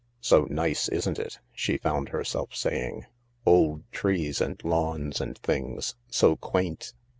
" So nice, isn't it ?" she found herself saying. " Old trees and lawns and things. So quaint."